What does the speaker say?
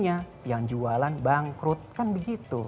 yang jualan bangkrut kan begitu